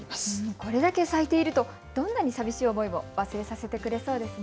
これだけ咲いているとどんなにさみしい思いも忘れさせてくれそうですね。